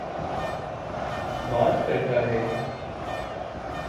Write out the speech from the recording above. بات کرتا ہے۔